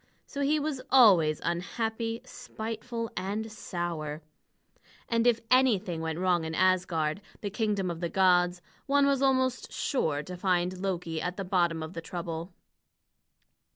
So he was always unhappy, spiteful, and sour. And if anything went wrong in Asgard, the kingdom of the gods, one was almost sure to find Loki at the bottom of the trouble.